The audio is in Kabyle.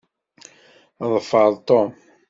Ḍfeṛ Tom!